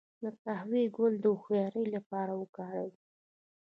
د قهوې ګل د هوښیارۍ لپاره وکاروئ